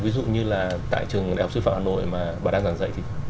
ví dụ như là tại trường đại học sư phạm hà nội mà bà đang giảng dạy thì